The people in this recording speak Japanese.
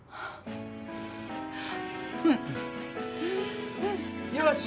うん。よし！